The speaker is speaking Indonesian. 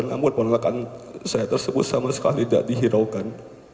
namun penolakan saya tersebut sama sekali tidak dihiraukan